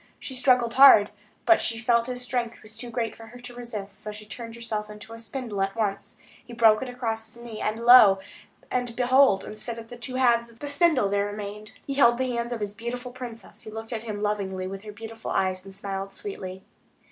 She struggled hard; but she felt his strength was too great for her to resist; so she turned herself into a spindle at once. He broke it across his knee.... And lo! and behold! instead of the two halves of the spindle he held the hands of his beautiful princess, who looked at him lovingly with her beautiful eyes, and smiled sweetly.